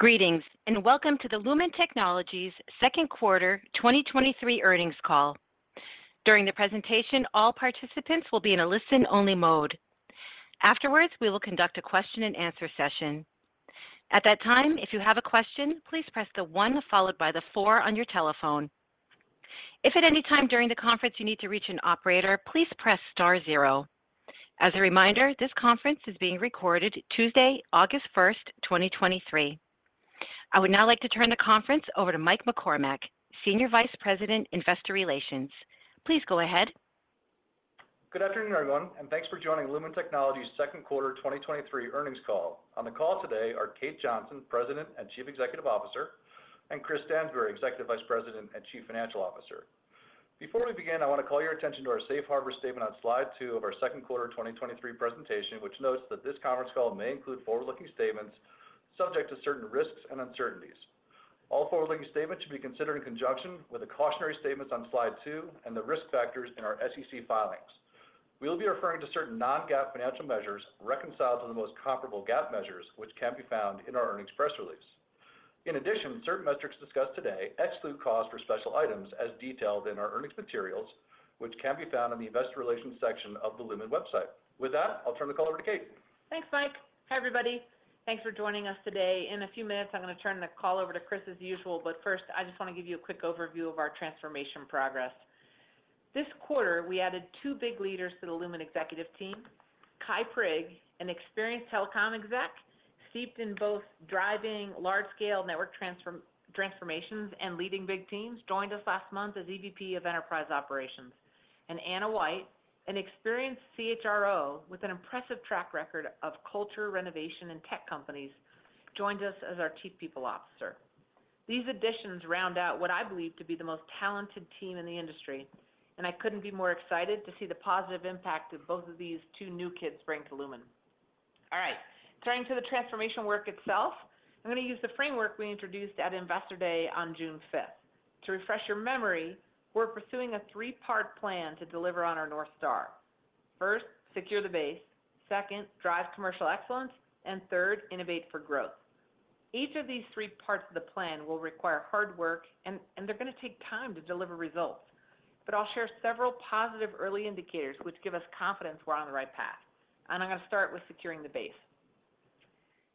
Greetings, welcome to the Lumen Technologies Second Quarter 2023 Earnings Call. During the presentation, all participants will be in a listen-only mode. Afterwards, we will conduct a question-and-answer session. At that time, if you have a question, please press the one followed by the four on your telephone. If at any time during the conference you need to reach an operator, please press star zero. As a reminder, this conference is being recorded Tuesday, August 1st, 2023. I would now like to turn the conference over to Mike McCormack, Senior Vice President, Investor Relations. Please go ahead. Good afternoon, everyone, and thanks for joining Lumen Technologies' Second Quarter 2023 Earnings Call. On the call today are Kate Johnson, President and Chief Executive Officer, and Chris Stansbury, Executive Vice President and Chief Financial Officer. Before we begin, I want to call your attention to our safe harbor statement on slide 2 of our second quarter 2023 presentation, which notes that this conference call may include forward-looking statements subject to certain risks and uncertainties. All forward-looking statements should be considered in conjunction with the cautionary statements on slide 2 and the risk factors in our SEC filings. We will be referring to certain non-GAAP financial measures reconciled to the most comparable GAAP measures, which can be found in our earnings press release. In addition, certain metrics discussed today exclude cost for special items, as detailed in our earnings materials, which can be found on the Investor Relations section of the Lumen website. With that, I'll turn the call over to Kate. Thanks, Mike. Hi, everybody. Thanks for joining us today. In a few minutes, I'm going to turn the call over to Chris as usual. First, I just want to give you a quick overview of our transformation progress. This quarter, we added 2 big leaders to the Lumen executive team. Kye Prigg, an experienced telecom exec, steeped in both driving large-scale network transformations and leading big teams, joined us last month as EVP of Enterprise Operations. Ana White, an experienced CHRO with an impressive track record of culture renovation in tech companies, joined us as our Chief People Officer. These additions round out what I believe to be the most talented team in the industry. I couldn't be more excited to see the positive impact that both of these 2 new kids bring to Lumen. All right, turning to the transformation work itself, I'm going to use the framework we introduced at Investor Day on June 5th. To refresh your memory, we're pursuing a 3-part plan to deliver on our North Star. First, secure the base, second, drive commercial excellence, and third, innovate for growth. Each of these 3 parts of the plan will require hard work, and they're going to take time to deliver results. I'll share several positive early indicators, which give us confidence we're on the right path, and I'm going to start with securing the base.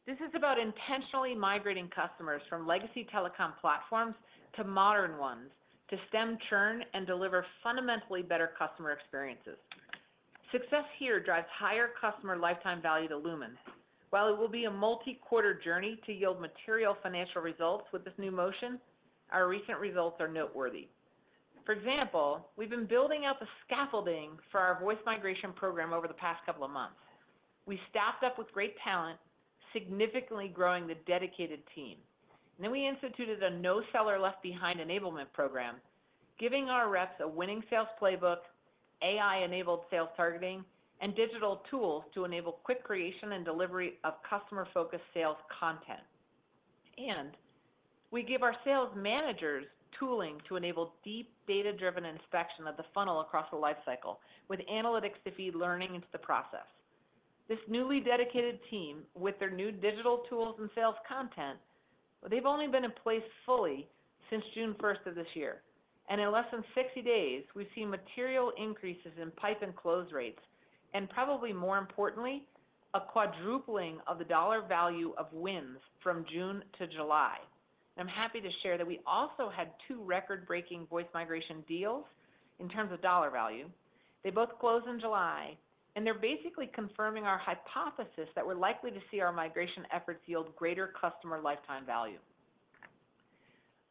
This is about intentionally migrating customers from legacy telecom platforms to modern ones, to stem churn and deliver fundamentally better customer experiences. Success here drives higher customer lifetime value to Lumen. While it will be a multi-quarter journey to yield material financial results with this new motion, our recent results are noteworthy. For example, we've been building out the scaffolding for our voice migration program over the past couple of months. We staffed up with great talent, significantly growing the dedicated team. We instituted a No Seller Left Behind enablement program, giving our reps a winning sales playbook, AI-enabled sales targeting, and digital tools to enable quick creation and delivery of customer-focused sales content. We give our sales managers tooling to enable deep, data-driven inspection of the funnel across the lifecycle, with analytics to feed learning into the process. This newly dedicated team, with their new digital tools and sales content, they've only been in place fully since June 1st of this year, and in less than 60 days, we've seen material increases in pipe and close rates, and probably more importantly, a quadrupling of the dollar value of wins from June to July. I'm happy to share that we also had two record-breaking voice migration deals in terms of dollar value. They both closed in July, and they're basically confirming our hypothesis that we're likely to see our migration efforts yield greater customer lifetime value.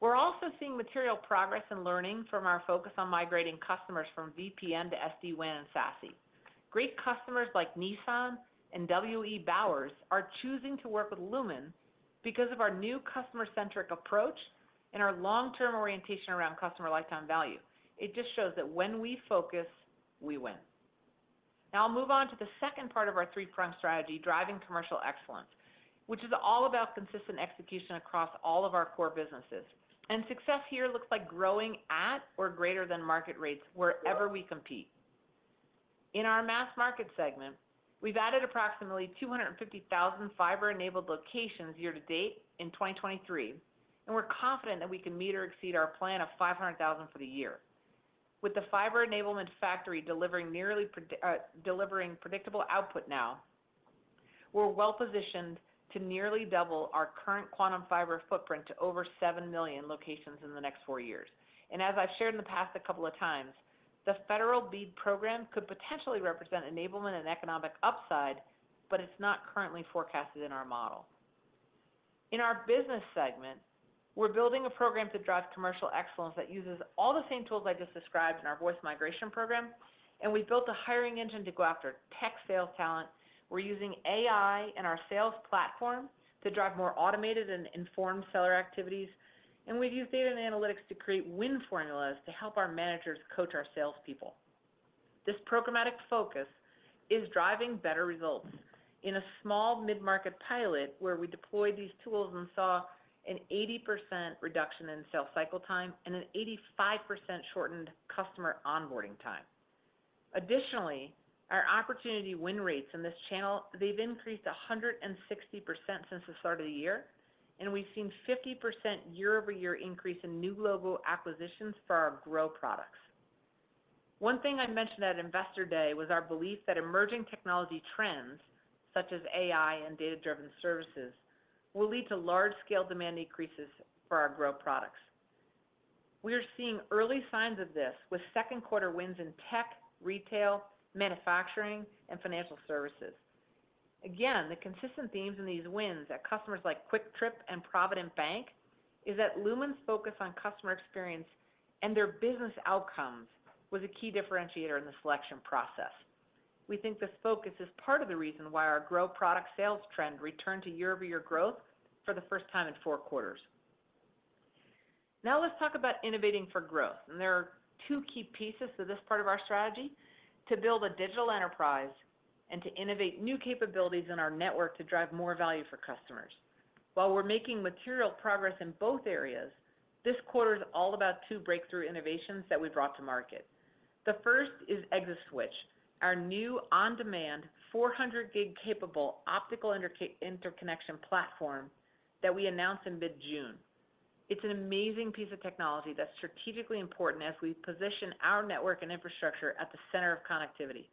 We're also seeing material progress and learning from our focus on migrating customers from VPN to SD-WAN and SASE. Great customers like Nissan and W.E. Bowers are choosing to work with Lumen because of our new customer-centric approach and our long-term orientation around customer lifetime value. It just shows that when we focus, we win. Now I'll move on to the second part of our three-prong strategy, driving commercial excellence, which is all about consistent execution across all of our core businesses. Success here looks like growing at or greater than market rates wherever we compete. In our mass market segment, we've added approximately 250,000 fiber-enabled locations year to date in 2023, and we're confident that we can meet or exceed our plan of 500,000 for the year. With the fiber enablement factory delivering nearly delivering predictable output now, we're well positioned to nearly double our current Quantum Fiber footprint to over 7 million locations in the next four years. As I've shared in the past a couple of times, the federal BEAD program could potentially represent enablement and economic upside, but it's not currently forecasted in our model. In our business segment, we're building a program to drive commercial excellence that uses all the same tools I just described in our voice migration program, and we've built a hiring engine to go after tech sales talent. We're using AI and our sales platform to drive more automated and informed seller activities, and we've used data and analytics to create win formulas to help our managers coach our salespeople. This programmatic focus is driving better results. In a small mid-market pilot, where we deployed these tools and saw an 80% reduction in sales cycle time and an 85% shortened customer onboarding time. Additionally, our opportunity win rates in this channel, they've increased 160% since the start of the year, and we've seen 50% year-over-year increase in new global acquisitions for our growth products. One thing I mentioned at Investor Day was our belief that emerging technology trends, such as AI and data-driven services, will lead to large-scale demand increases for our growth products. We're seeing early signs of this with second quarter wins in tech, retail, manufacturing, and financial services. Again, the consistent themes in these wins at customers like Kwik Trip and Provident Bank, is that Lumen's focus on customer experience and their business outcomes, was a key differentiator in the selection process. We think this focus is part of the reason why our grow product sales trend returned to year-over-year growth for the first time in four quarters. Now, let's talk about innovating for growth, and there are two key pieces to this part of our strategy: to build a digital enterprise and to innovate new capabilities in our network to drive more value for customers. While we're making material progress in both areas, this quarter is all about two breakthrough innovations that we brought to market. The first is ExaSwitch, our new on-demand, 400 gig-capable, optical interconnection platform that we announced in mid-June. It's an amazing piece of technology that's strategically important as we position our network and infrastructure at the center of connectivity.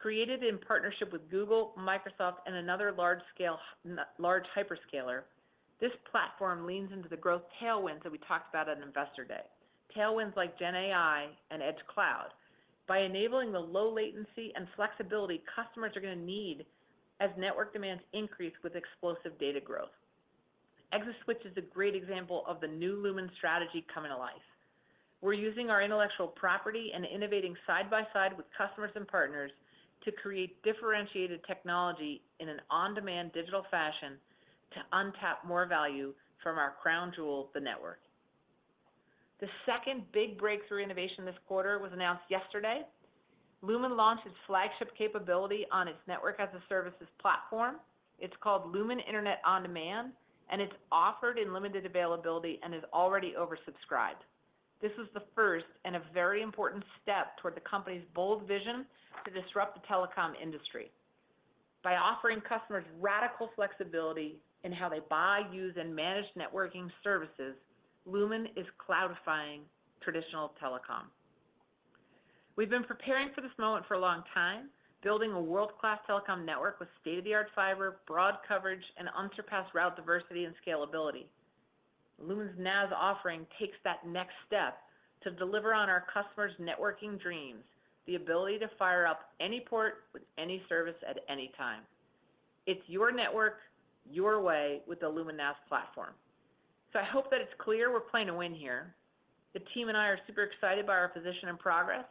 Created in partnership with Google, Microsoft, and another large-scale, large hyperscaler, this platform leans into the growth tailwinds that we talked about at Investor Day. Tailwinds like Gen AI and Edge Cloud. By enabling the low latency and flexibility, customers are going to need as network demands increase with explosive data growth. ExaSwitch is a great example of the new Lumen strategy coming to life. We're using our intellectual property and innovating side by side with customers and partners to create differentiated technology in an on-demand digital fashion to untap more value from our crown jewel, the network. The second big breakthrough innovation this quarter was announced yesterday. Lumen launched its flagship capability on its Network-as-a-Service platform. It's called Lumen Internet on Demand. It's offered in limited availability and is already oversubscribed. This is the first and a very important step toward the company's bold vision to disrupt the telecom industry. By offering customers radical flexibility in how they buy, use, and manage networking services, Lumen is cloudifying traditional telecom. We've been preparing for this moment for a long time, building a world-class telecom network with state-of-the-art fiber, broad coverage, and unsurpassed route diversity and scalability. Lumen's NaaS offering takes that next step to deliver on our customers' networking dreams, the ability to fire up any port with any service at any time. It's your network, your way with the Lumen NaaS platform. I hope that it's clear we're playing to win here. The team and I are super excited by our position and progress,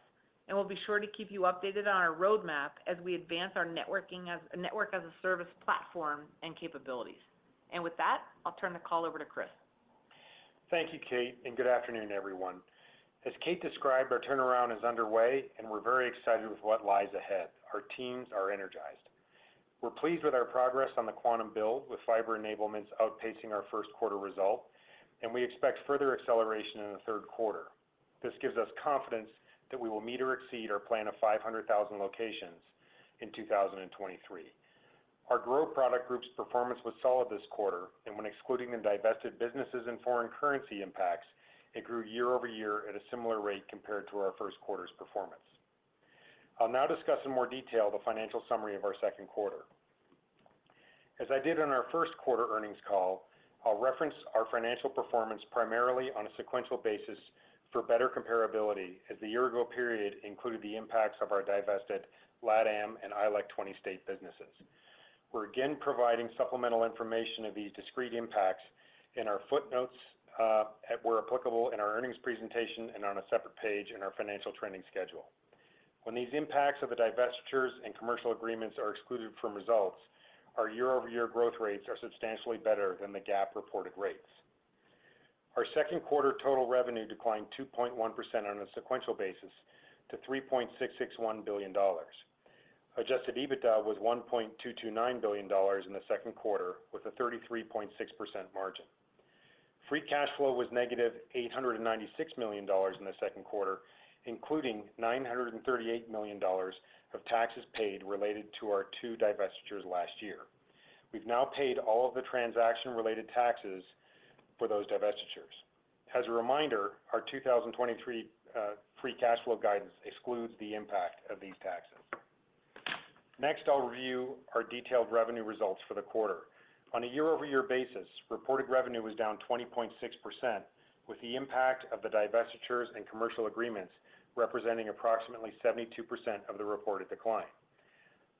and we'll be sure to keep you updated on our roadmap as we advance our Network-as-a-Service platform and capabilities. With that, I'll turn the call over to Chris. Thank you, Kate, and good afternoon, everyone. As Kate described, our turnaround is underway, and we're very excited with what lies ahead. Our teams are energized. We're pleased with our progress on the quantum build, with fiber enablements outpacing our first quarter result, and we expect further acceleration in the third quarter. This gives us confidence that we will meet or exceed our plan of 500,000 locations in 2023. Our growth product group's performance was solid this quarter, and when excluding the divested businesses and foreign currency impacts, it grew year-over-year at a similar rate compared to our first quarter's performance. I'll now discuss in more detail the financial summary of our second quarter. As I did on our first quarter earnings call, I'll reference our financial performance primarily on a sequential basis for better comparability, as the year-ago period included the impacts of our divested LatAm and ILEC 20 state businesses. We're again providing supplemental information of these discrete impacts in our footnotes, where applicable in our earnings presentation and on a separate page in our financial training schedule. When these impacts of the divestitures and commercial agreements are excluded from results, our year-over-year growth rates are substantially better than the GAAP-reported rates. Our second quarter total revenue declined 2.1% on a sequential basis to $3.661 billion. Adjusted EBITDA was $1.229 billion in the second quarter, with a 33.6% margin. Free cash flow was negative $896 million in the second quarter, including $938 million of taxes paid related to our two divestitures last year. We've now paid all of the transaction-related taxes for those divestitures. As a reminder, our 2023 free cash flow guidance excludes the impact of these taxes. Next, I'll review our detailed revenue results for the quarter. On a year-over-year basis, reported revenue was down 20.6%, with the impact of the divestitures and commercial agreements representing approximately 72% of the reported decline.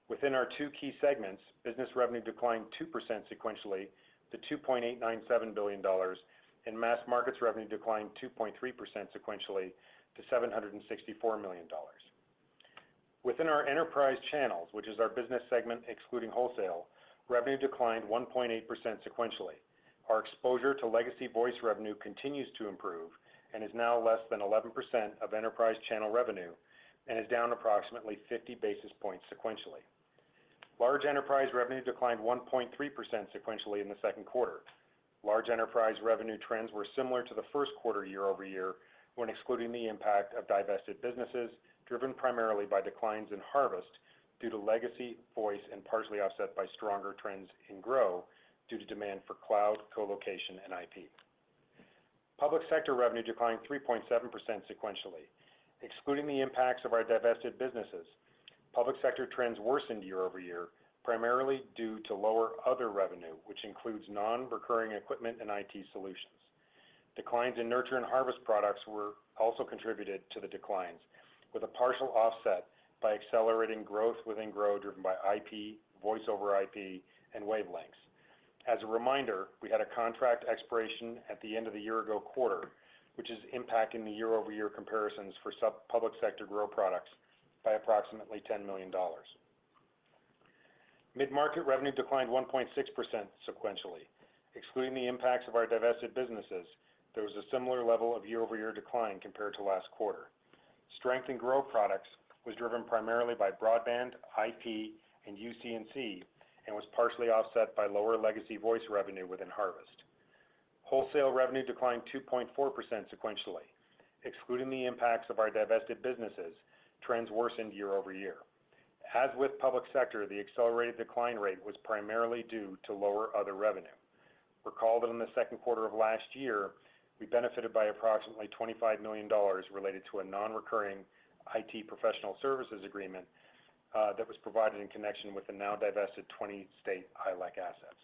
Within our two key segments, business revenue declined 2% sequentially to $2.897 billion, and mass markets revenue declined 2.3% sequentially to $764 million. Within our enterprise channels, which is our business segment excluding wholesale, revenue declined 1.8% sequentially. Our exposure to legacy voice revenue continues to improve and is now less than 11% of enterprise channel revenue and is down approximately 50 basis points sequentially. Large enterprise revenue declined 1.3% sequentially in the second quarter. Large enterprise revenue trends were similar to the first quarter year-over-year, when excluding the impact of divested businesses, driven primarily by declines in harvest, due to legacy, voice, and partially offset by stronger trends in grow, due to demand for cloud, colocation, and IP. Public sector revenue declined 3.7% sequentially. Excluding the impacts of our divested businesses, public sector trends worsened year-over-year, primarily due to lower other revenue, which includes non-recurring equipment and IT solutions. Declines in nurture and harvest products were also contributed to the declines, with a partial offset by accelerating growth within grow, driven by IP, Voice over IP, and wavelengths. As a reminder, we had a contract expiration at the end of the year-ago quarter, which is impacting the year-over-year comparisons for sub-public sector grow products by approximately $10 million. Mid-market revenue declined 1.6% sequentially. Excluding the impacts of our divested businesses, there was a similar level of year-over-year decline compared to last quarter. Strength in grow products was driven primarily by broadband, IP, and UC&C, and was partially offset by lower legacy voice revenue within harvest. Wholesale revenue declined 2.4% sequentially, excluding the impacts of our divested businesses, trends worsened year-over-year. As with public sector, the accelerated decline rate was primarily due to lower other revenue. Recall that in the second quarter of last year, we benefited by approximately $25 million related to a non-recurring IT professional services agreement that was provided in connection with the now divested 20 state ILEC assets.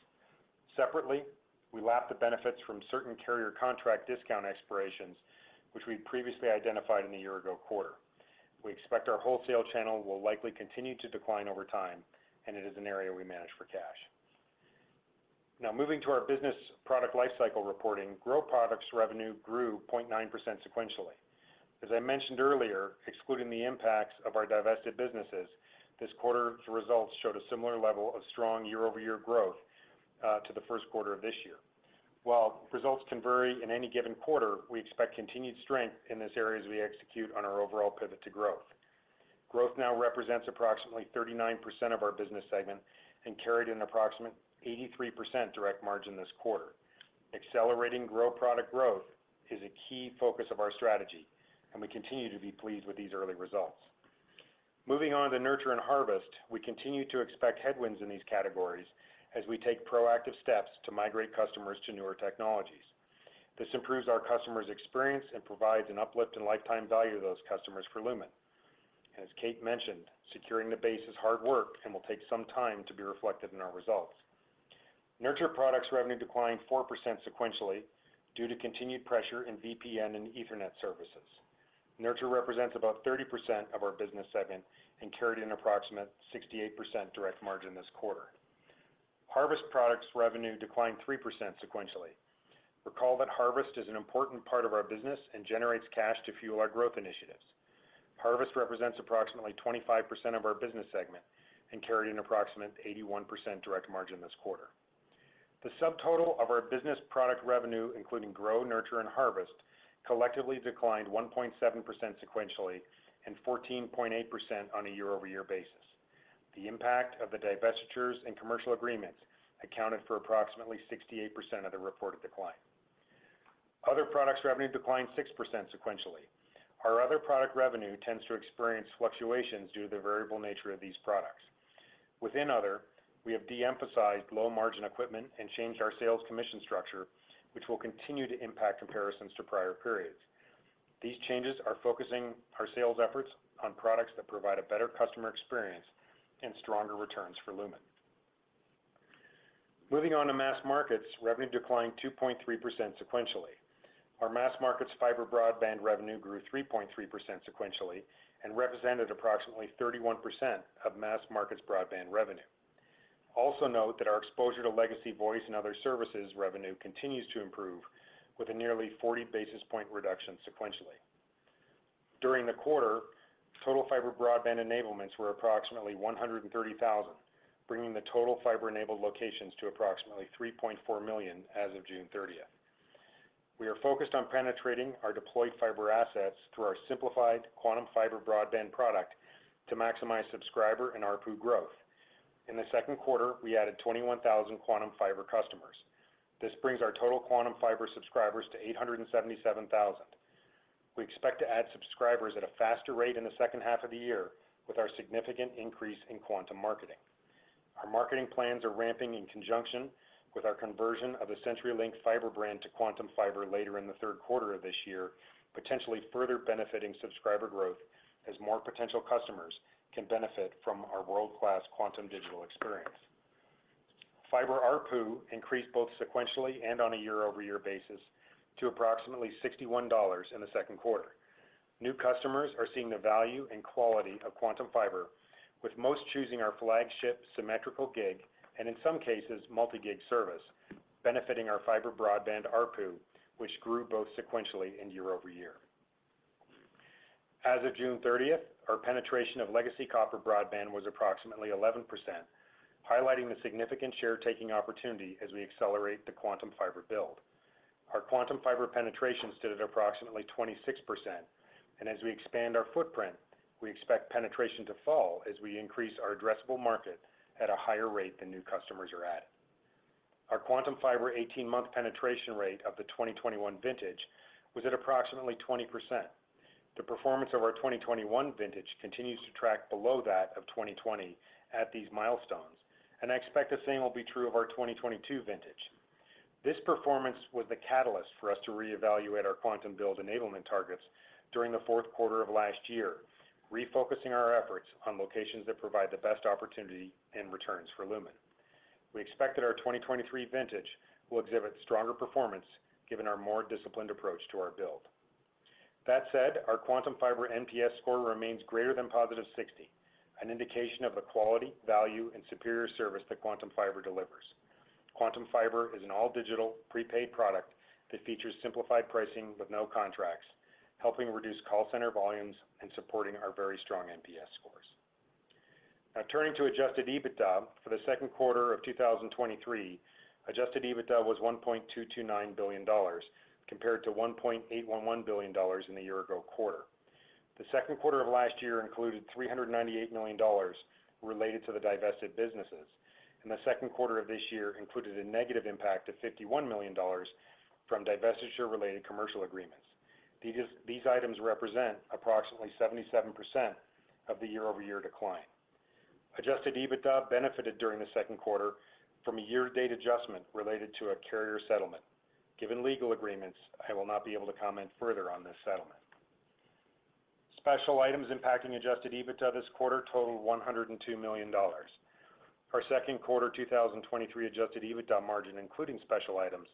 Separately, we lapped the benefits from certain carrier contract discount expirations, which we previously identified in the year-ago quarter. We expect our wholesale channel will likely continue to decline over time, it is an area we manage for cash. Now, moving to our business product lifecycle reporting, grow products revenue grew 0.9% sequentially. As I mentioned earlier, excluding the impacts of our divested businesses, this quarter's results showed a similar level of strong year-over-year growth to the first quarter of this year. While results can vary in any given quarter, we expect continued strength in this area as we execute on our overall pivot to growth. Growth now represents approximately 39% of our business segment and carried an approximate 83% direct margin this quarter. Accelerating grow product growth is a key focus of our strategy. We continue to be pleased with these early results. Moving on to nurture and harvest, we continue to expect headwinds in these categories as we take proactive steps to migrate customers to newer technologies. This improves our customers' experience and provides an uplift in lifetime value to those customers for Lumen. As Kate mentioned, securing the base is hard work and will take some time to be reflected in our results. Nurture products revenue declined 4% sequentially due to continued pressure in VPN and Ethernet services. Nurture represents about 30% of our business segment and carried an approximate 68% direct margin this quarter. Harvest products revenue declined 3% sequentially. Recall that harvest is an important part of our business and generates cash to fuel our growth initiatives. Harvest represents approximately 25% of our business segment and carried an approximate 81% direct margin this quarter. The subtotal of our business product revenue, including grow, nurture, and harvest, collectively declined 1.7% sequentially and 14.8% on a year-over-year basis. The impact of the divestitures and commercial agreements accounted for approximately 68% of the reported decline. Other products revenue declined 6% sequentially. Our other product revenue tends to experience fluctuations due to the variable nature of these products. Within other, we have de-emphasized low-margin equipment and changed our sales commission structure, which will continue to impact comparisons to prior periods. These changes are focusing our sales efforts on products that provide a better customer experience and stronger returns for Lumen. Moving on to Mass Markets, revenue declined 2.3% sequentially. Our Mass Markets fiber broadband revenue grew 3.3% sequentially and represented approximately 31% of Mass Markets broadband revenue. Also note that our exposure to legacy voice and other services revenue continues to improve, with a nearly 40 basis point reduction sequentially. During the quarter, total fiber broadband enablements were approximately 130,000, bringing the total fiber-enabled locations to approximately 3.4 million as of June 30th. We are focused on penetrating our deployed fiber assets through our simplified Quantum Fiber broadband product to maximize subscriber and ARPU growth. In the second quarter, we added 21,000 Quantum Fiber customers. This brings our total Quantum Fiber subscribers to 877,000. We expect to add subscribers at a faster rate in the second half of the year, with our significant increase in Quantum marketing. Our marketing plans are ramping in conjunction with our conversion of the CenturyLink fiber brand to Quantum Fiber later in the third quarter of this year, potentially further benefiting subscriber growth as more potential customers can benefit from our world-class Quantum digital experience. Fiber ARPU increased both sequentially and on a year-over-year basis to approximately $61 in the second quarter. New customers are seeing the value and quality of Quantum Fiber, with most choosing our flagship symmetrical gig, and in some cases, multi-gig service, benefiting our fiber broadband ARPU, which grew both sequentially and year-over-year. As of June 30th, our penetration of legacy copper broadband was approximately 11%, highlighting the significant share taking opportunity as we accelerate the Quantum Fiber build. Our Quantum Fiber penetration stood at approximately 26%, and as we expand our footprint, we expect penetration to fall as we increase our addressable market at a higher rate than new customers are adding. Our Quantum Fiber 18-month penetration rate of the 2021 vintage was at approximately 20%. The performance of our 2021 vintage continues to track below that of 2020 at these milestones, and I expect the same will be true of our 2022 vintage. This performance was the catalyst for us to reevaluate our Quantum build enablement targets during the fourth quarter of last year, refocusing our efforts on locations that provide the best opportunity and returns for Lumen. We expect that our 2023 vintage will exhibit stronger performance, given our more disciplined approach to our build. That said, our Quantum Fiber NPS score remains greater than positive 60, an indication of the quality, value, and superior service that Quantum Fiber delivers. Quantum Fiber is an all digital prepaid product that features simplified pricing with no contracts, helping reduce call center volumes and supporting our very strong NPS scores. Turning to adjusted EBITDA. For the second quarter of 2023, adjusted EBITDA was $1.229 billion, compared to $1.811 billion in the year-ago quarter. The second quarter of last year included $398 million related to the divested businesses, and the second quarter of this year included a negative impact of $51 million from divestiture-related commercial agreements. These, these items represent approximately 77% of the year-over-year decline. Adjusted EBITDA benefited during the second quarter from a year-to-date adjustment related to a carrier settlement. Given legal agreements, I will not be able to comment further on this settlement. Special items impacting Adjusted EBITDA this quarter totaled $102 million. Our second quarter 2023 Adjusted EBITDA margin, including special items,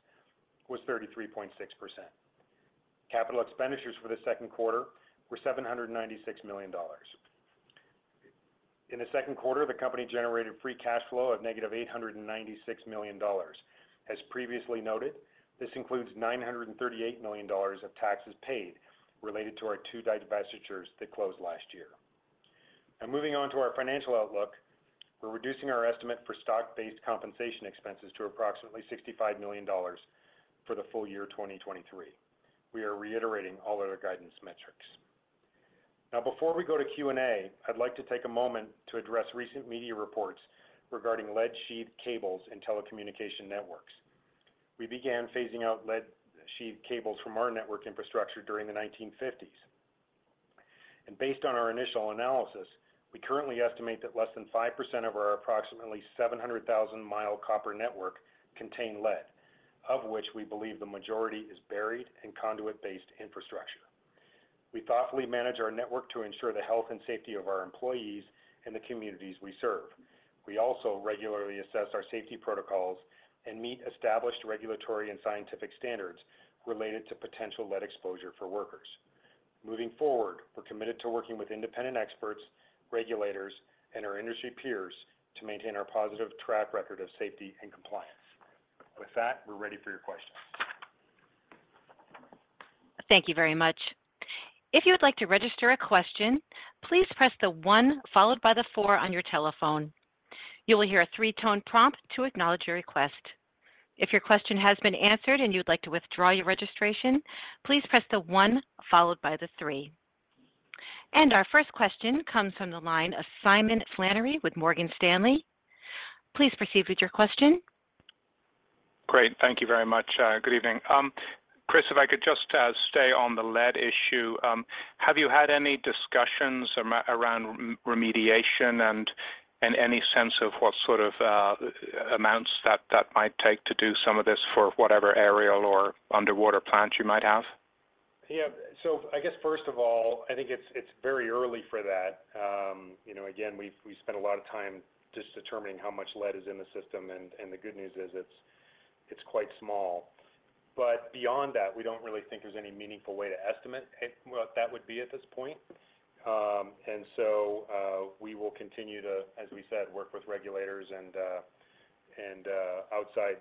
was 33.6%. Capital expenditures for the second quarter were $796 million. In the second quarter, the company generated free cash flow of -$896 million. As previously noted, this includes $938 million of taxes paid related to our 2 divestitures that closed last year. Moving on to our financial outlook, we're reducing our estimate for stock-based compensation expenses to approximately $65 million for the full year 2023. We are reiterating all other guidance metrics. Now, before we go to Q&A, I'd like to take a moment to address recent media reports regarding lead-sheathed cables and telecommunication networks. We began phasing out lead-sheathed cables from our network infrastructure during the 1950s. Based on our initial analysis, we currently estimate that less than 5% of our approximately 700,000 mile copper network contain lead, of which we believe the majority is buried in conduit-based infrastructure. We thoughtfully manage our network to ensure the health and safety of our employees and the communities we serve. We also regularly assess our safety protocols and meet established regulatory and scientific standards related to potential lead exposure for workers. Moving forward, we're committed to working with independent experts, regulators, and our industry peers to maintain our positive track record of safety and compliance. With that, we're ready for your questions. Thank you very much. If you would like to register a question, please press the 1 followed by the 4 on your telephone. You will hear a 3-tone prompt to acknowledge your request. If your question has been answered and you'd like to withdraw your registration, please press the 1 followed by the 3. Our first question comes from the line of Simon Flannery with Morgan Stanley. Please proceed with your question. Great. Thank you very much. Good evening. Chris, if I could just, stay on the lead issue. Have you had any discussions around remediation and any sense of what sort of amounts that that might take to do some of this for whatever aerial or underwater plants you might have? Yeah. I guess, first of all, I think it's, it's very early for that. You know, again, we've, we spent a lot of time just determining how much lead is in the system, and, and the good news is it's, it's quite small. Beyond that, we don't really think there's any meaningful way to estimate it, what that would be at this point. We will continue to, as we said, work with regulators and outside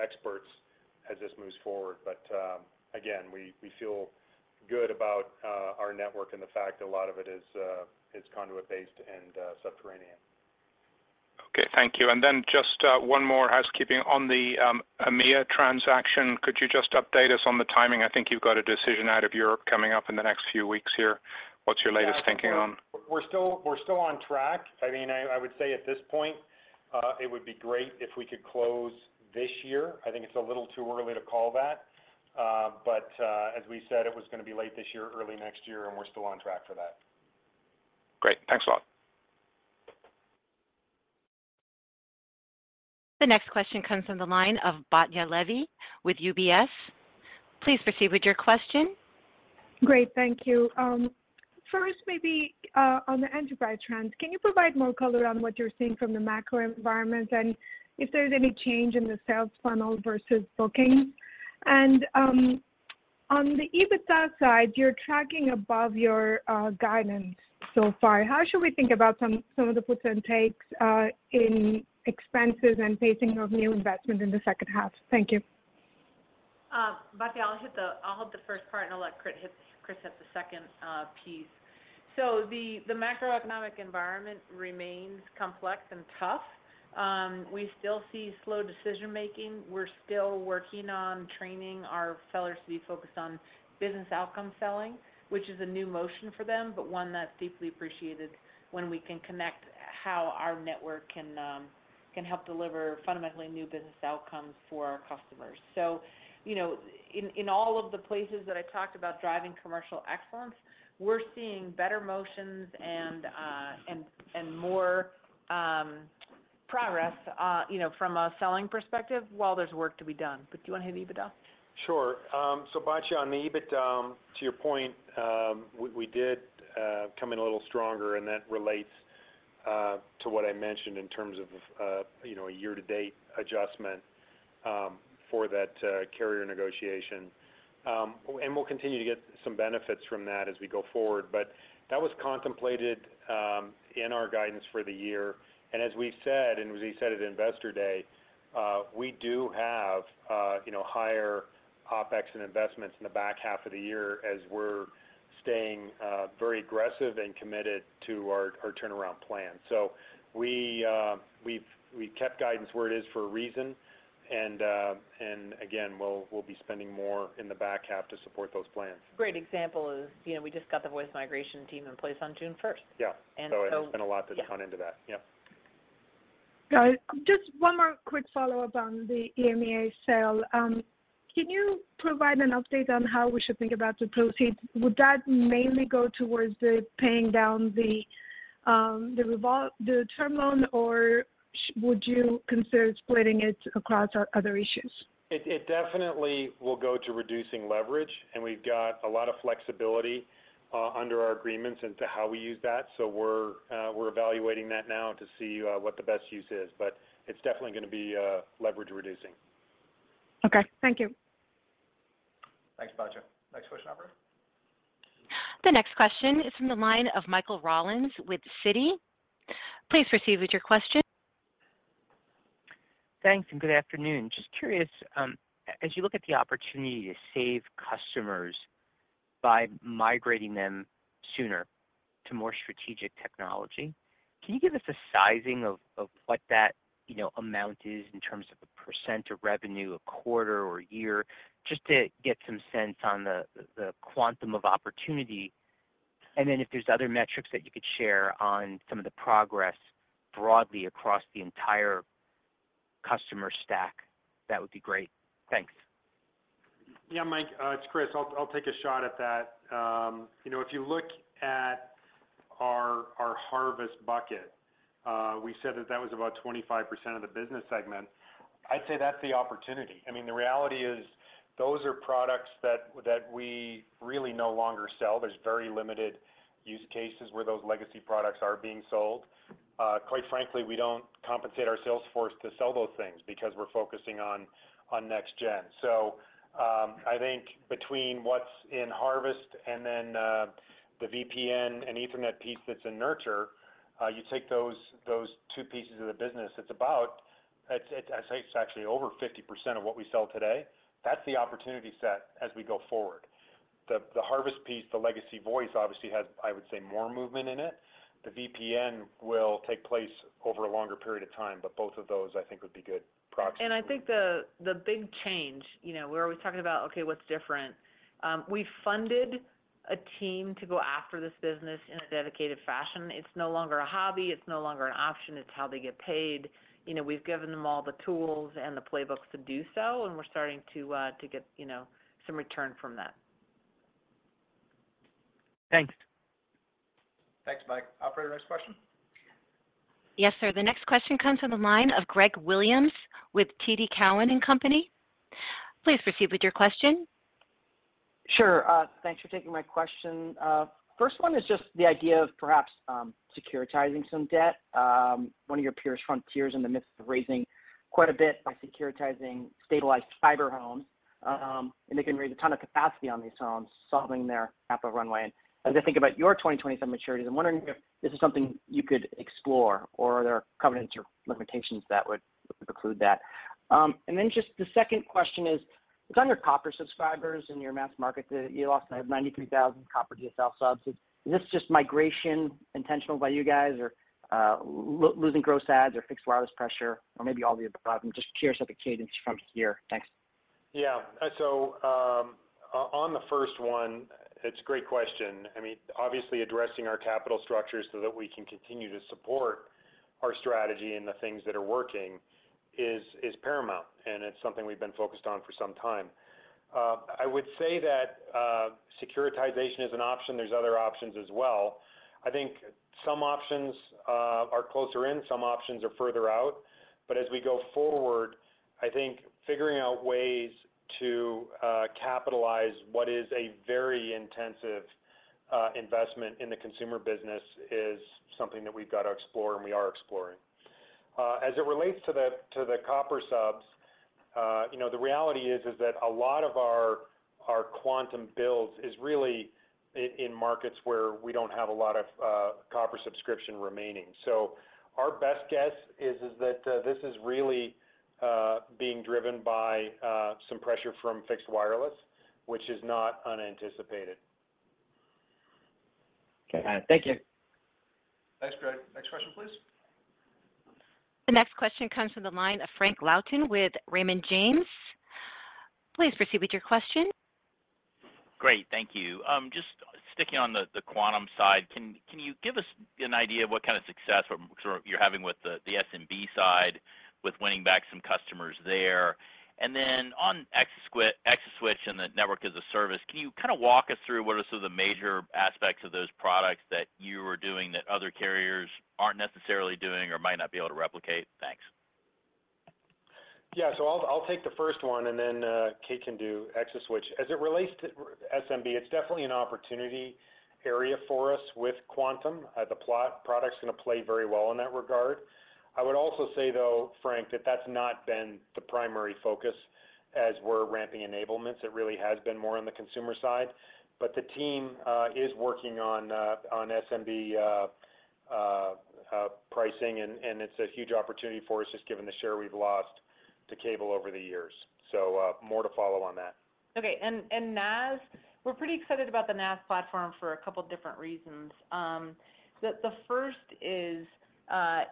experts as this moves forward. Again, we, we feel good about our network and the fact that a lot of it is conduit-based and subterranean. Okay, thank you. Just one more housekeeping. On the EMEA transaction, could you just update us on the timing? I think you've got a decision out of Europe coming up in the next few weeks here. What's your latest thinking on? We're, we're still, we're still on track. I mean, I, I would say at this point, it would be great if we could close this year. I think it's a little too early to call that. As we said, it was going to be late this year, early next year, and we're still on track for that. Great. Thanks a lot. The next question comes from the line of Batya Levy with UBS. Please proceed with your question. Great, thank you. First, maybe, on the enterprise trends, can you provide more color on what you're seeing from the macro environment, and if there's any change in the sales funnel versus bookings? On the EBITDA side, you're tracking above your guidance so far. How should we think about some, some of the puts and takes, in expenses and pacing of new investments in the second half? Thank you. Batya, I'll hit the first part, and I'll let Chris hit the second piece. The macroeconomic environment remains complex and tough. We still see slow decision making. We're still working on training our sellers to be focused on business outcome selling, which is a new motion for them, but one that's deeply appreciated when we can connect how our network can help deliver fundamentally new business outcomes for our customers. You know, in all of the places that I've talked about driving commercial excellence, we're seeing better motions and more progress, you know, from a selling perspective, while there's work to be done. Do you wanna hit EBITDA? Sure. Batya, on the EBITA, to your point, we, we did come in a little stronger, and that relates to what I mentioned in terms of, of, you know, a year-to-date adjustment for that carrier negotiation. We'll continue to get some benefits from that as we go forward. That was contemplated in our guidance for the year. As we said, and as we said at Investor Day, we do have, you know, higher OpEx and investments in the back half of the year as we're staying very aggressive and committed to our, our turnaround plan. We kept guidance where it is for a reason, and again, we'll, we'll be spending more in the back half to support those plans. Great example is, you know, we just got the voice migration team in place on June first. Yeah. And so- There's been a lot that's gone into that. Yeah. Guys, just one more quick follow-up on the EMEA sale. can you provide an update on how we should think about the proceeds? Would that mainly go towards the paying down the term loan, or would you consider splitting it across our other issues? It, it definitely will go to reducing leverage, and we've got a lot of flexibility under our agreements into how we use that. We're, we're evaluating that now to see what the best use is, but it's definitely gonna be leverage reducing. Okay. Thank you. Thanks, Batya. Next question, operator. The next question is from the line of Michael Rollins with Citi. Please proceed with your question. Thanks, and good afternoon. Just curious, as you look at the opportunity to save customers by migrating them sooner to more strategic technology, can you give us a sizing of, of what that, you know, amount is in terms of a % of revenue, a quarter, or a year, just to get some sense on the, the, the quantum of opportunity? Then if there's other metrics that you could share on some of the progress broadly across the entire customer stack, that would be great. Thanks. Yeah, Mike, it's Chris. I'll, I'll take a shot at that. You know, if you look at our, our harvest bucket, we said that that was about 25% of the business segment. I'd say that's the opportunity. I mean, the reality is those are products that, that we really no longer sell. There's very limited use cases where those legacy products are being sold. Quite frankly, we don't compensate our sales force to sell those things because we're focusing on, on next gen. So, I think between what's in harvest and then, the VPN and Ethernet piece that's in nurture, you take those, those two pieces of the business, it's about... It's, it's, I'd say it's actually over 50% of what we sell today. That's the opportunity set as we go forward. The harvest piece, the legacy voice, obviously has, I would say, more movement in it. The VPN will take place over a longer period of time, but both of those, I think, would be good proxy. I think the, the big change, you know, we're always talking about, okay, what's different? We funded a team to go after this business in a dedicated fashion. It's no longer a hobby, it's no longer an option, it's how they get paid. You know, we've given them all the tools and the playbooks to do so, and we're starting to get, you know, some return from that. Thanks. Thanks, Mike. Operator, next question? Yes, sir. The next question comes from the line of Greg Williams with TD Cowen and Company. Please proceed with your question. Sure. Thanks for taking my question. First one is just the idea of perhaps securitizing some debt. One of your peers, Frontier, is in the midst of raising quite a bit by securitizing stabilized fiber homes, and they can raise a ton of capacity on these homes, solving their half of runway. As I think about your 2027 maturities, I'm wondering if this is something you could explore, or are there covenants or limitations that would preclude that? Just the second question is, on your copper subscribers in your mass market, you also have 93,000 copper DSL subs. Is this just migration intentional by you guys, or losing gross ads or fixed wireless pressure, or maybe all the above? Just curious about the cadence from here. Thanks. Yeah. On the first one, it's a great question. I mean, obviously addressing our capital structure so that we can continue to support our strategy and the things that are working is, is paramount, and it's something we've been focused on for some time. I would say that securitization is an option. There's other options as well. I think some options are closer in, some options are further out. As we go forward, I think figuring out ways to capitalize what is a very intensive investment in the consumer business is something that we've got to explore and we are exploring. As it relates to the copper subs, you know, the reality is, is that a lot of our, our quantum builds is really in markets where we don't have a lot of,... Copper subscription remaining. Our best guess is, is that this is really being driven by some pressure from fixed wireless, which is not unanticipated. Okay. Thank you. Thanks, Greg. Next question, please. The next question comes from the line of Frank Louthan with Raymond James. Please proceed with your question. Great. Thank you. Just sticking on the Quantum side, can you give us an idea of what kind of success you're having with the SMB side, with winning back some customers there? Then on ExaSwitch and the Network-as-a-Service, can you kind of walk us through what are some of the major aspects of those products that you are doing that other carriers aren't necessarily doing or might not be able to replicate? Thanks. I'll, I'll take the first one, and then Kate can do ExaSwitch. As it relates to SMB, it's definitely an opportunity area for us with Quantum. The plot-- product's gonna play very well in that regard. I would also say, though, Frank, that that's not been the primary focus as we're ramping enablements. It really has been more on the consumer side. The team is working on SMB pricing, and it's a huge opportunity for us, just given the share we've lost to cable over the years. More to follow on that. Okay, and, and NaaS, we're pretty excited about the NaaS platform for a couple different reasons. The, the first is,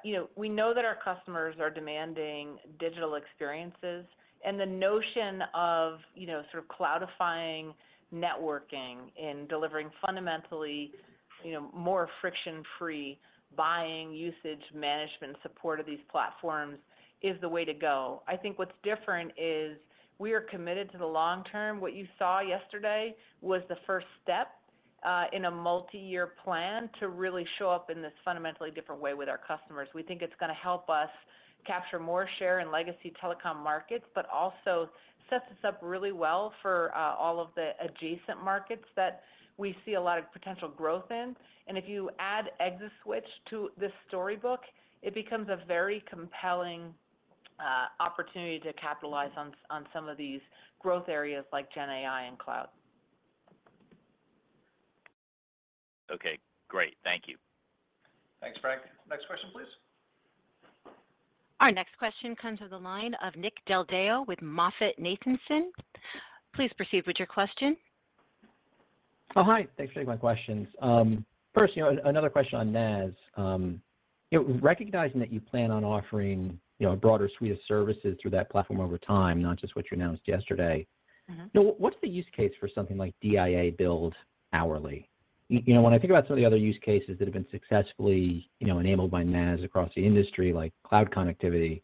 you know, we know that our customers are demanding digital experiences, and the notion of, you know, sort of cloudifying networking and delivering fundamentally, you know, more friction-free buying, usage, management, support of these platforms is the way to go. I think what's different is we are committed to the long term. What you saw yesterday was the first step, in a multiyear plan to really show up in this fundamentally different way with our customers. We think it's gonna help us capture more share in legacy telecom markets, but also sets us up really well for, all of the adjacent markets that we see a lot of potential growth in. If you add ExaSwitch to this storybook, it becomes a very compelling, opportunity to capitalize on some of these growth areas like GenAI and Cloud. Okay, great. Thank you. Thanks, Frank. Next question, please. Our next question comes to the line of Nick Del Deo with MoffettNathanson. Please proceed with your question. Oh, hi. Thanks for taking my questions. First, you know, another question on NaaS. You know, recognizing that you plan on offering, you know, a broader suite of services through that platform over time, not just what you announced yesterday... Mm-hmm Now, what's the use case for something like DIA billed hourly? You know, when I think about some of the other use cases that have been successfully, you know, enabled by NaaS across the industry, like cloud connectivity,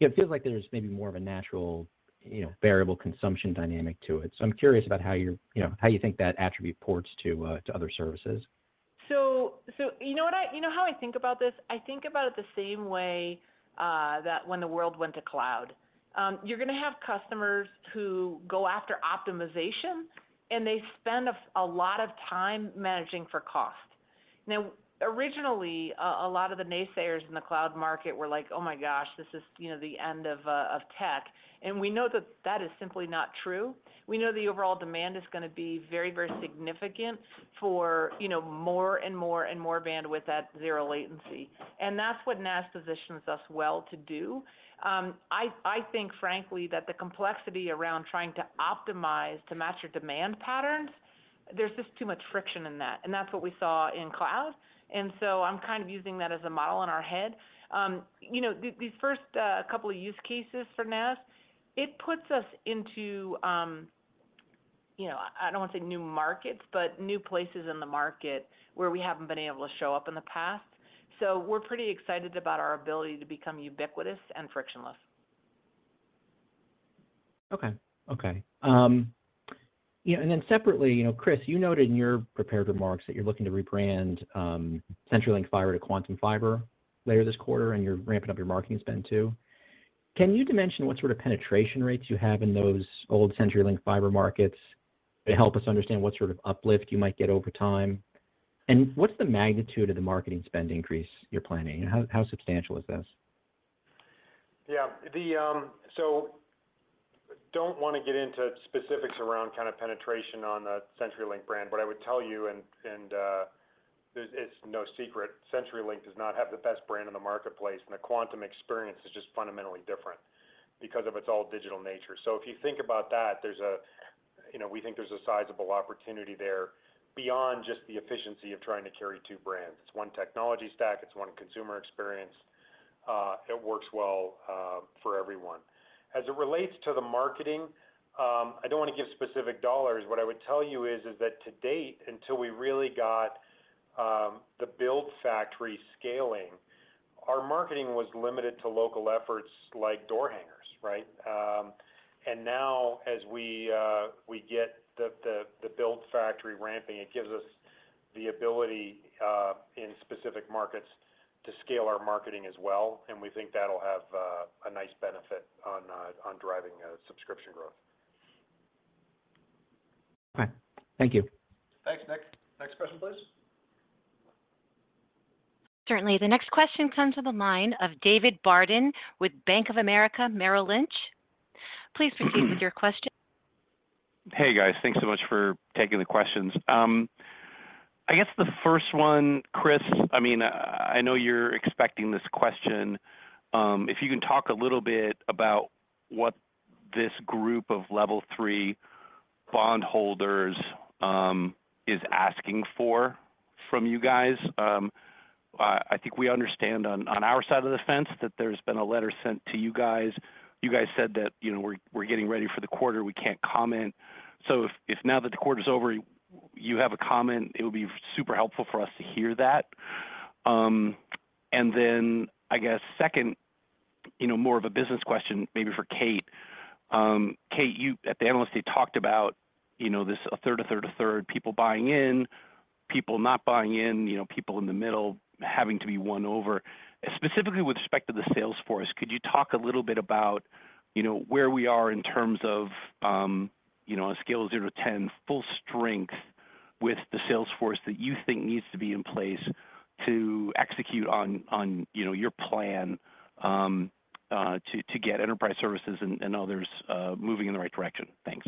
it feels like there's maybe more of a natural, you know, variable consumption dynamic to it. I'm curious about how you're, you know, how you think that attribute ports to other services. You know what I, you know how I think about this? I think about it the same way that when the world went to cloud. You're gonna have customers who go after optimization, and they spend a lot of time managing for cost. Originally, a lot of the naysayers in the cloud market were like, "Oh, my gosh, this is, you know, the end of tech." We know that that is simply not true. We know the overall demand is gonna be very, very significant for, you know, more and more and more bandwidth at zero latency. That's what NaaS positions us well to do. I, I think, frankly, that the complexity around trying to optimize to match your demand patterns, there's just too much friction in that, and that's what we saw in cloud. I'm kind of using that as a model in our head. You know, these first couple of use cases for NaaS, it puts us into, you know, I don't want to say new markets, but new places in the market where we haven't been able to show up in the past. We're pretty excited about our ability to become ubiquitous and frictionless. Okay. Okay. You know, then separately, you know, Chris, you noted in your prepared remarks that you're looking to rebrand CenturyLink fiber to Quantum Fiber later this quarter, and you're ramping up your marketing spend too. Can you dimension what sort of penetration rates you have in those old CenturyLink fiber markets to help us understand what sort of uplift you might get over time? What's the magnitude of the marketing spend increase you're planning? How, how substantial is this? Yeah. Don't want to get into specifics around kind of penetration on the CenturyLink brand, but I would tell you, and, and, it, it's no secret, CenturyLink does not have the best brand in the marketplace, and the Quantum experience is just fundamentally different because of its all-digital nature. If you think about that, there's a, you know, we think there's a sizable opportunity there beyond just the efficiency of trying to carry two brands. It's one technology stack, it's one consumer experience, it works well for everyone. As it relates to the marketing, I don't want to give specific dollars. What I would tell you is, is that to date, until we really got the build factory scaling, our marketing was limited to local efforts like door hangers, right? Now, as we get the, the, the build factory ramping, it gives us the ability in specific markets to scale our marketing as well, and we think that'll have a nice benefit on driving subscription growth. Okay. Thank you. Thanks, Nick. Next question, please. Certainly. The next question comes from the line of David Barden with Bank of America Merrill Lynch. Please proceed with your question. Hey, guys. Thanks so much for taking the questions. I guess the first one, Chris, I mean, I, I know you're expecting this question. If you can talk a little bit about what this group of Level 3 bondholders is asking for from you guys. I, I think we understand on, on our side of the fence that there's been a letter sent to you guys. You guys said that, you know, we're, we're getting ready for the quarter, we can't comment. If, if now that the quarter is over, you have a comment, it would be super helpful for us to hear that. Then I guess second, you know, more of a business question, maybe for Kate. Kate, you at the analyst, you talked about, you know, this a third, a third, a third, people buying in, people not buying in, you know, people in the middle having to be won over. Specifically with respect to the sales force, could you talk a little bit about, you know, where we are in terms of, you know, on a scale of 0 to 10, full strength with the sales force that you think needs to be in place to execute on, on, you know, your plan, to, to get enterprise services and, and others, moving in the right direction? Thanks.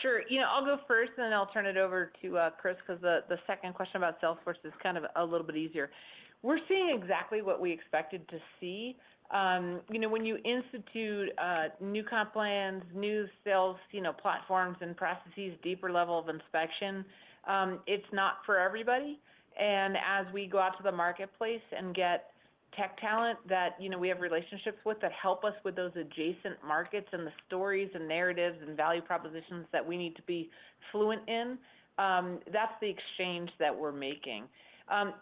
Sure. You know, I'll go first, and then I'll turn it over to Chris, 'cause the second question about Salesforce is kind of a little bit easier. We're seeing exactly what we expected to see. You know, when you institute new comp plans, new sales, you know, platforms and processes, deeper level of inspection, it's not for everybody. As we go out to the marketplace and get tech talent that, you know, we have relationships with, that help us with those adjacent markets and the stories and narratives and value propositions that we need to be fluent in, that's the exchange that we're making.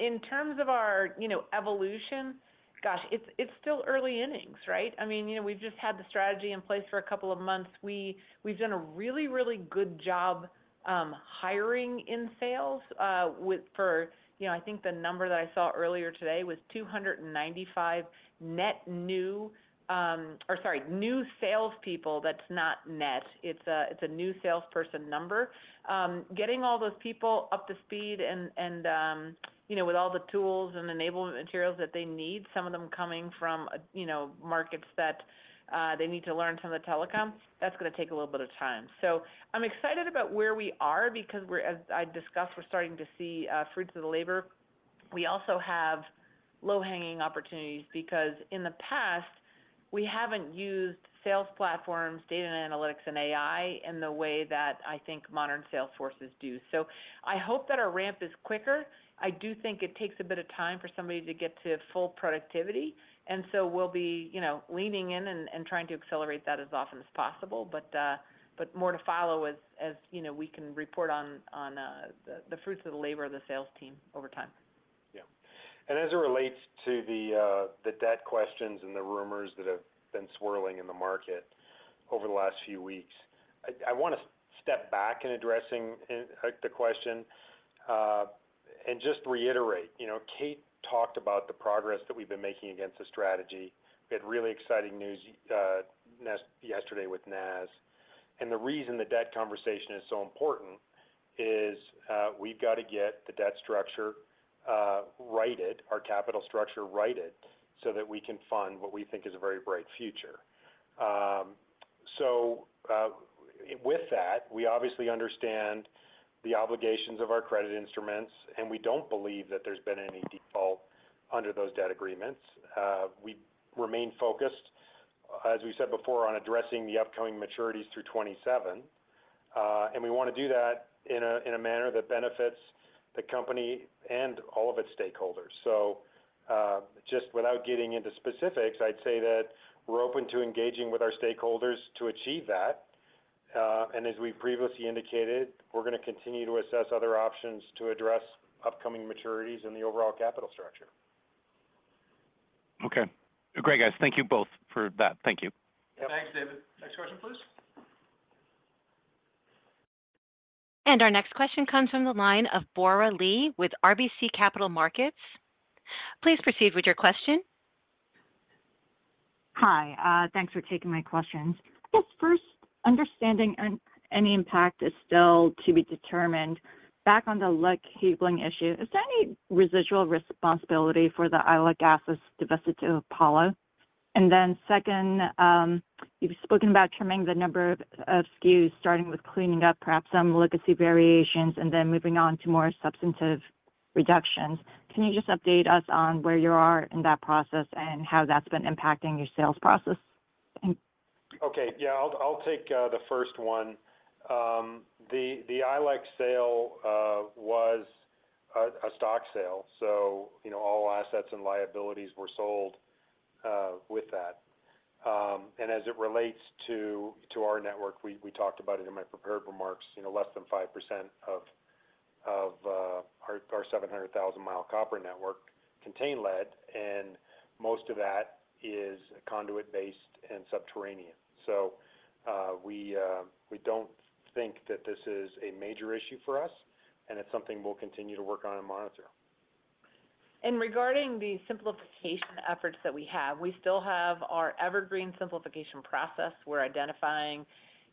In terms of our, you know, evolution, gosh, it's, it's still early innings, right? I mean, you know, we've just had the strategy in place for a couple of months. We've done a really, really good job hiring in sales. You know, I think the number that I saw earlier today was 295 net new, or sorry, new salespeople, that's not net. It's a new salesperson number. Getting all those people up to speed and, and, you know, with all the tools and enablement materials that they need, some of them coming from, you know, markets that they need to learn from the telecom, that's gonna take a little bit of time. I'm excited about where we are because we're, as I discussed, we're starting to see fruits of the labor. We also have low-hanging opportunities because in the past, we haven't used sales platforms, data and analytics, and AI in the way that I think modern sales forces do. I hope that our ramp is quicker. I do think it takes a bit of time for somebody to get to full productivity, and so we'll be, you know, leaning in and, and trying to accelerate that as often as possible. More to follow as, as, you know, we can report on, on, the, the fruits of the labor of the sales team over time. Yeah. As it relates to the debt questions and the rumors that have been swirling in the market over the last few weeks, I, I want to step back in addressing the question and just reiterate. You know, Kate talked about the progress that we've been making against the strategy. We had really exciting news yesterday with NaaS. The reason the debt conversation is so important is we've got to get the debt structure righted, our capital structure righted, so that we can fund what we think is a very bright future. With that, we obviously understand the obligations of our credit instruments, and we don't believe that there's been any default under those debt agreements. We remain focused, as we said before, on addressing the upcoming maturities through 2027. We want to do that in a, in a manner that benefits the company and all of its stakeholders. Just without getting into specifics, I'd say that we're open to engaging with our stakeholders to achieve that. As we previously indicated, we're gonna continue to assess other options to address upcoming maturities in the overall capital structure. Okay. Great, guys. Thank you both for that. Thank you. Thanks, David. Next question, please. Our next question comes from the line of Bora Lee with RBC Capital Markets. Please proceed with your question. Hi, thanks for taking my questions. I guess first, understanding and any impact is still to be determined. Back on the lead cabling issue, is there any residual responsibility for the ILEC assets divested to Apollo? Second, you've spoken about trimming the number of SKUs, starting with cleaning up perhaps some legacy variations and then moving on to more substantive reductions. Can you just update us on where you are in that process and how that's been impacting your sales process? Thanks. Okay. Yeah, I'll, I'll take the first one. The ILEC sale was a stock sale, so, you know, all assets and liabilities were sold with that. As it relates to our network, we talked about it in my prepared remarks, you know, less than 5% of our 700,000-mile copper network contain lead, and most of that is conduit-based and subterranean. We don't think that this is a major issue for us, and it's something we'll continue to work on and monitor. Regarding the simplification efforts that we have, we still have our evergreen simplification process. We're identifying,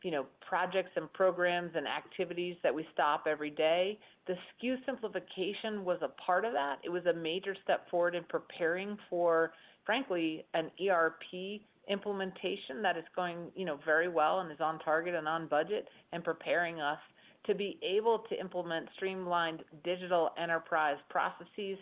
you know, projects and programs and activities that we stop every day. The SKU simplification was a part of that. It was a major step forward in preparing for, frankly, an ERP implementation that is going, you know, very well and is on target and on budget, and preparing us to be able to implement streamlined digital enterprise processes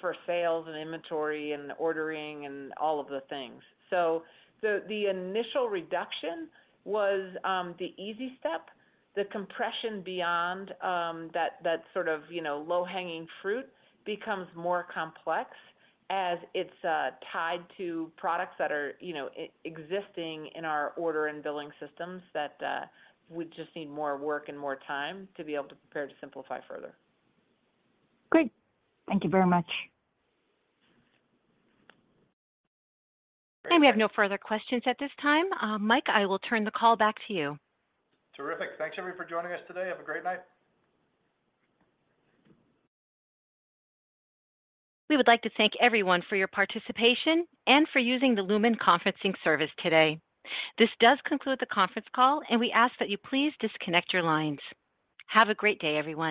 for sales and inventory and ordering and all of the things. The initial reduction was the easy step. The compression beyond that, that sort of, you know, low-hanging fruit becomes more complex as it's tied to products that are, you know, existing in our order and billing systems that would just need more work and more time to be able to prepare to simplify further. Great. Thank you very much. We have no further questions at this time. Mike, I will turn the call back to you. Terrific. Thanks, everybody, for joining us today. Have a great night! We would like to thank everyone for your participation and for using the Lumen conferencing service today. This does conclude the conference call, and we ask that you please disconnect your lines. Have a great day, everyone.